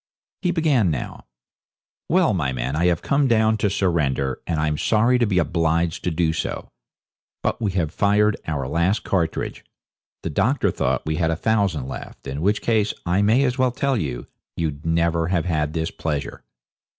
He began now. 'Well, my men, I have come down to surrender, and I'm sorry to be obliged to do so. But we have fired our last cartridge the doctor thought we had a thousand left in which case, I may as well tell you, you'd never have had this pleasure.